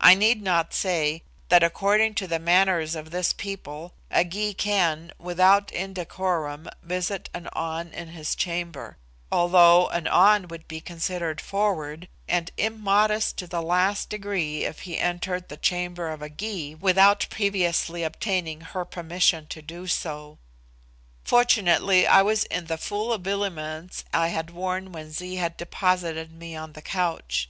I need not say that, according to the manners of this people, a Gy can, without indecorum, visit an An in his chamber, although an An would be considered forward and immodest to the last degree if he entered the chamber of a Gy without previously obtaining her permission to do so. Fortunately I was in the full habiliments I had worn when Zee had deposited me on the couch.